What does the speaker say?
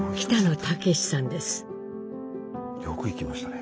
よく行きましたね。